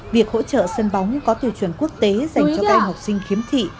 việc hỗ trợ sân bóng có tiêu chuẩn quốc tế dành cho các em học sinh khiếm thị